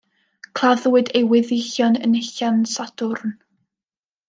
Claddwyd ei weddillion yn Llansadwrn.